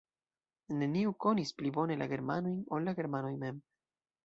Neniu konis pli bone la germanojn, ol la germanoj mem.